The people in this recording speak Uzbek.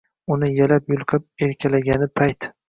Uni yalab-yulqab erkalagani payt